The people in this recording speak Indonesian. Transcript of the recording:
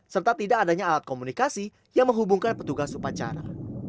serta tidak adanya alat komunikasi yang menghubungkan petugas upacara